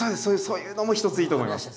そういうのも一ついいと思います